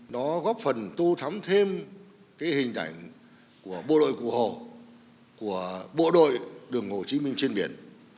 nó góp phần tô thắm thêm cái hình ảnh của bộ đội cụ hồ của bộ đội đường hồ chí minh trên biển